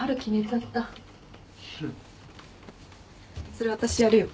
それ私やるよ。